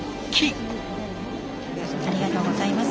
ありがとうございます。